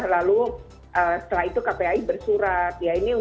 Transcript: lalu setelah itu kpi bersurat ya